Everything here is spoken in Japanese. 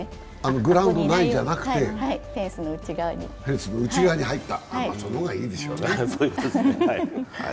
グラウンド内じゃなくてフェンスの内側に入った、その方がいいですね。